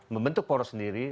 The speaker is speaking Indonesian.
membentuk poros sendiri